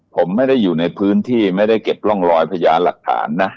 ผมไม่ได้อยู่ในพื้นที่ไม่ได้เก็บร่องรอยพยานหลักฐานนะ